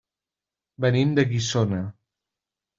Venim de Guissona.